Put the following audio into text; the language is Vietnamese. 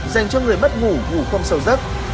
dành cho người mất ngủ ngủ không sâu rắc